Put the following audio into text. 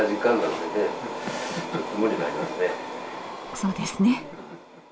そうですね。